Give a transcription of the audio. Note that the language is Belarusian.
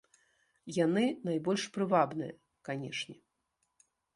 Яны найбольш прывабныя, канешне.